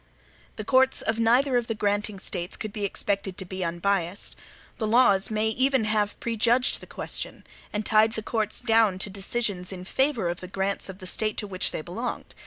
The courts of neither of the granting States could be expected to be unbiased. The laws may have even prejudged the question, and tied the courts down to decisions in favor of the grants of the State to which they belonged.